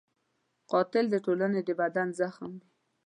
قاتل د ټولنې د بدن زخم وي